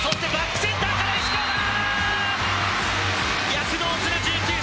躍動する１９歳。